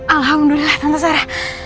alhamdulillah tante sarah